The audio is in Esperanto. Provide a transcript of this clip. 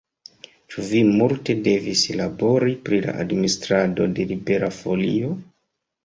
Ĉu vi multe devis labori pri la administrado de Libera Folio?